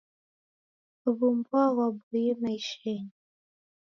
W'umboa ghwaboiye maishenyi.